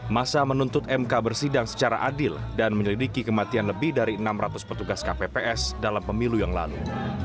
masa menuntut mk bersidang secara adil dan menyelidiki kematian lebih dari enam ratus petugas kpps dalam pemilu yang lalu